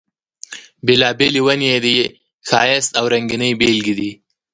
بېلابېلې ونې یې د ښایست او رنګینۍ بېلګې دي.